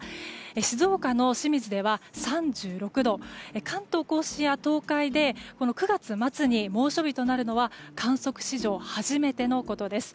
静岡の清水では３６度関東・甲信や東海で９月末に猛暑日となるのは観測史上初めてのことです。